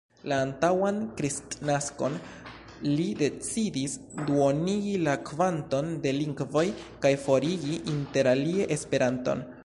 La antaŭan kristnaskon li decidis duonigi la kvanton de lingvoj kaj forigi interalie Esperanton.